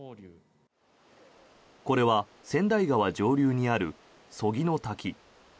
これは、川内川上流にある曽木の滝。